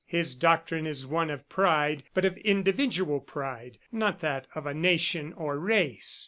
His doctrine is one of pride, but of individual pride, not that of a nation or race.